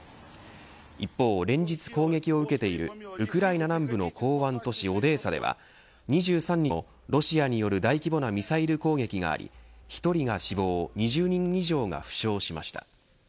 一方、連日攻撃を受けているウクライナ南部の港湾都市オデーサでは２３日も、ロシアによる大規模なミサイル攻撃があり１人が死亡２０人以上が負傷しました。